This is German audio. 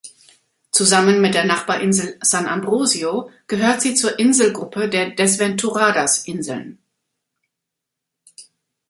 Zusammen mit der Nachbarinsel San Ambrosio gehört sie zur Inselgruppe der Desventuradas-Inseln.